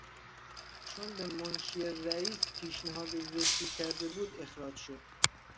چون به منشی رییس پیشنهاد زشتی کرده بود اخراج شد.